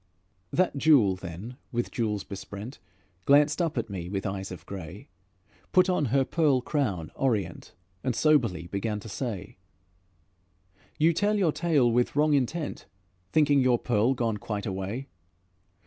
That Jewel then with gems besprent Glanced up at me with eyes of grey, Put on her pearl crown orient, And soberly began to say: "You tell your tale with wrong intent, Thinking your pearl gone quite away.